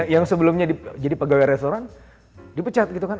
yang sebelumnya jadi pegawai restoran dipecat gitu kan